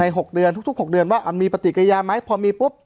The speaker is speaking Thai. ในหกเดือนทุกทุกหกเดือนว่ามีปฏิกิริยามั้ยพอมีปุ๊บ